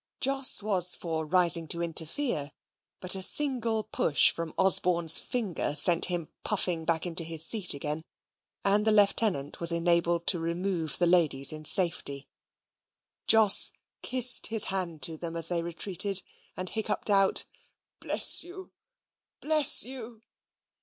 Jos was for rising to interfere but a single push from Osborne's finger sent him puffing back into his seat again, and the lieutenant was enabled to remove the ladies in safety. Jos kissed his hand to them as they retreated, and hiccupped out "Bless you! Bless you!"